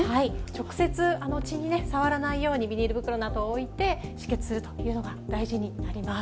直接血に触らないように、ビニール袋などを置いて止血するというのが大事になります。